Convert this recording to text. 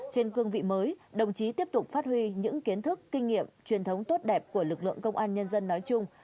trên cương vị mới đồng chí tiếp tục phát huy những kiến thức kinh nghiệm truyền thống tốt đẹp của lực lượng công an nhân dân nói chung